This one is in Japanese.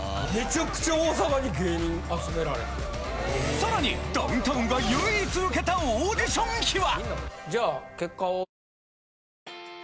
さらにダウンタウンが唯一受けたオーディション秘話！